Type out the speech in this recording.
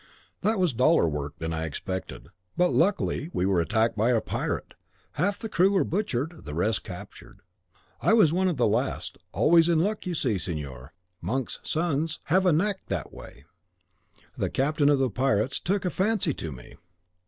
That was duller work than I expected; but luckily we were attacked by a pirate, half the crew were butchered, the rest captured. I was one of the last: always in luck, you see, signor, monks' sons have a knack that way! The captain of the pirates took a fancy to me.